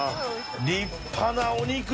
立派なお肉！